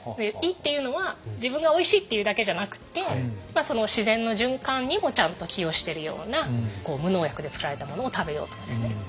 いいっていうのは自分がおいしいっていうだけじゃなくてその自然の循環にもちゃんと寄与してるような無農薬で作られたものを食べようとかですね。